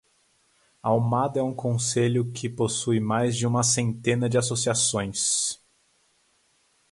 Almada é um concelho que possui mais de uma centena de associações.